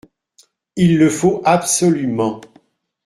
Il le faut absolument.